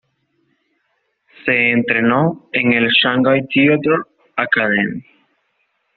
Se entrenó en el "Shanghai Theatre Academy".